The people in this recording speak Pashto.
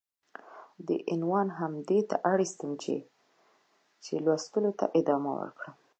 دې عنوان هم دې ته اړيستم چې ،چې لوستلو ته ادامه ورکړم.